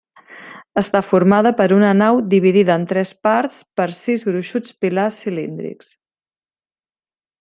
Està formada per una nau dividida en tres parts per sis gruixuts pilars cilíndrics.